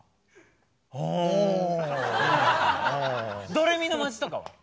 ドレミの街とかは？